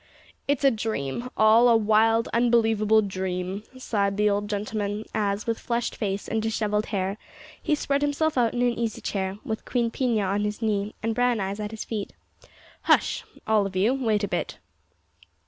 "It's a dream all a wild, unbelievable dream!" sighed the old gentleman, as, with flushed face and dishevelled hair, he spread himself out in an easy chair, with Queen Pina on his knee and Brown eyes at his feet. "Hush! all of you wait a bit."